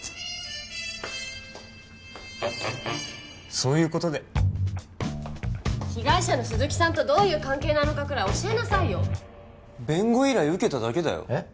そういうことで被害者の鈴木さんとどういう関係かぐらい教えなさいよ弁護依頼受けただけだよえッ？